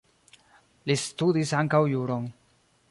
Li studis ankaŭ juron.